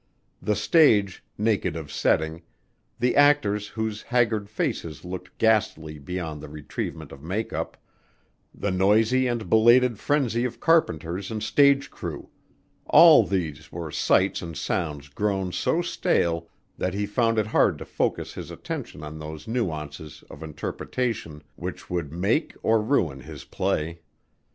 The stage, naked of setting; the actors whose haggard faces looked ghastly beyond the retrievement of make up; the noisy and belated frenzy of carpenters and stage crew: all these were sights and sounds grown so stale that he found it hard to focus his attention on those nuances of interpretation which would make or ruin his play.